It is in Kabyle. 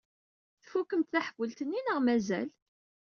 Tfukkemt taḥbult-nni neɣ mazal?